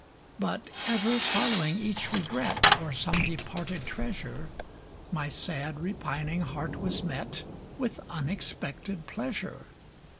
But, ever following each regret O'er some departed treasure, My sad repining heart was met With unexpected pleasure.